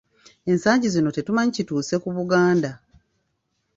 Ensangi zino tetumanyi kituuse ku Buganda.